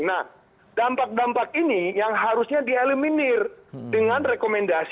nah dampak dampak ini yang harusnya dieliminir dengan rekomendasi